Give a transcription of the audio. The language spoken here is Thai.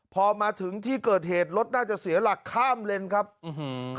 พอมาถึงที่เกิดเหตุรถน่าจะเสียหลักข้ามเลนครับอื้อหือ